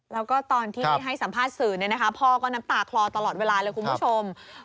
แล้วก็ตอนที่ให้สัมภาษณ์สื่อพ่อก็น้ำตาคลอตลอดเวลาเลยคุณผู้ชม